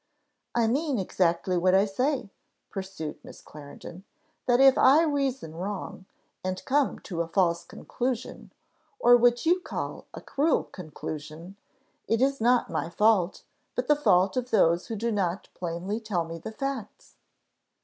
"I mean exactly what I say," pursued Miss Clarendon; "that if I reason wrong, and come to a false conclusion, or what you call a cruel conclusion, it is not my fault, but the fault of those who do not plainly tell me the facts."